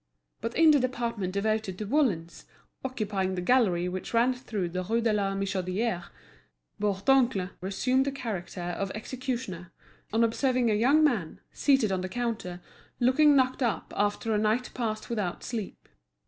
But in the department devoted to woollens, occupying the gallery which ran through to the Rue de la Michodière, Bourdoncle resumed the character of executioner, on observing a young man, seated on the counter, looking knocked up after a night passed without sleep.